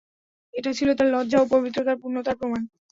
এটা ছিল তার লজ্জা ও পবিত্রতার পূর্ণতার প্রমাণ।